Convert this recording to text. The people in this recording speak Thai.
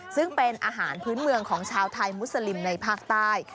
ซึ่งเป็นอาหารพื้นเมืองของชาวไทยมุสลิมในภาคใต้